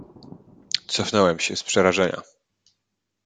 "Cofnąłem się z przerażenia."